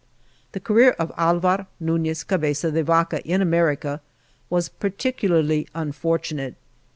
The career of Alvar Nunez Cabeza de Vaca in America was particularly unfortu nate.